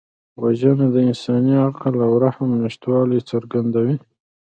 وژنه د انساني عقل او رحم نشتوالی څرګندوي